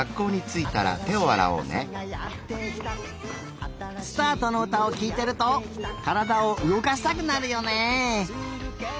「すたあと」のうたをきいてるとからだをうごかしたくなるよね。